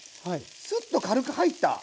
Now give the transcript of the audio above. スッと軽く入った。